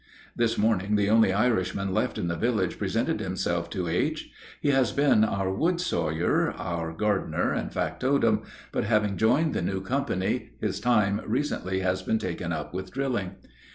This morning the only Irishman left in the village presented himself to H. He has been our wood sawyer, gardener, and factotum, but having joined the new company, his time recently has been taken up with drilling.